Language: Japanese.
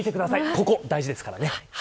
ここ、大事ですからね。